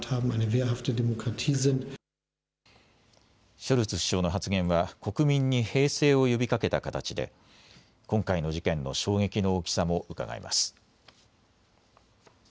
ショルツ首相の発言は国民に平静を呼びかけた形で今回の事件の衝撃の大きさもうかがえます。